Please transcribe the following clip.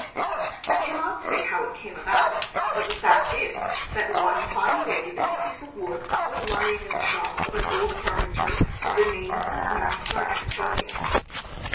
I cannot say how it came about, but the fact is, that one fine day this piece of wood was lying in the shop of an old carpenter of the name of Master Antonio.